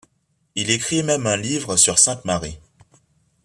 Il écrit même un livre sur Sainte Marie.